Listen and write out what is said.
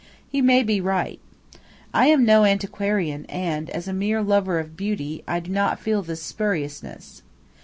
He may be right. I am no antiquarian, and, as a mere lover of beauty, I do not feel this "spuriousness."